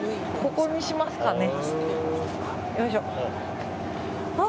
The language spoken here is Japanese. ここにしますかね。